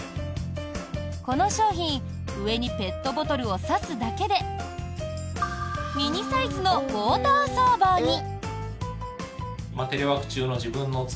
この商品上にペットボトルを差すだけでミニサイズのウォーターサーバーに。